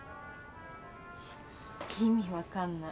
意味わかんない。